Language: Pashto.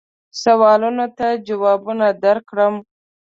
سوالونو ته جوابونه درکړم.